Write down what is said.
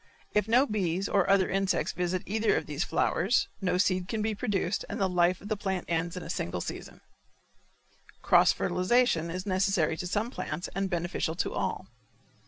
If no bees or other insects visit either of these flowers no seed can be produced and the life of the plant ends in a single season. Cross fertilization is necessary to some plants and beneficial to all.